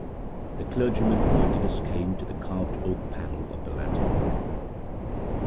The clergyman pointed his cane to the carved oak panel of the latter.